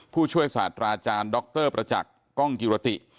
ผู้ช่วยศาสตราอาจารย์ดรประจักษ์กล้องกิรติ